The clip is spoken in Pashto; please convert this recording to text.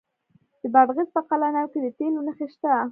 د بادغیس په قلعه نو کې د تیلو نښې شته.